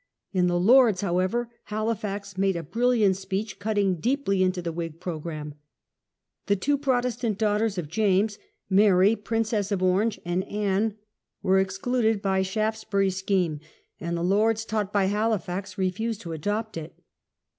In the Lords, however, Halifax made a brilliant speech, cutting deeply into the Whig programme. The two Protestant daughters of James, Mary, Princess of Orange, and Anne, were excluded by Shaftesbury's REACTION IN FAVOUR OF CHARLES. 85 scheme, and the Lords, taught by Halifax, refused to adopt it.